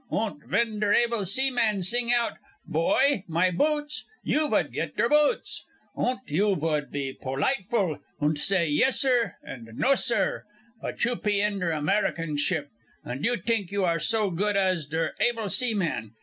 Und ven der able seaman sing out, 'Boy, my boots!' you vood get der boots. Und you vood pe politeful, und say 'Yessir' und 'No sir.' But you pe in der American ship, und you t'ink you are so good as der able seamen.